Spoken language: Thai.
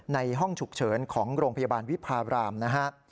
ในห้องฉุกเฉินของโรงพยาบาลวิพาบรามนะฮะ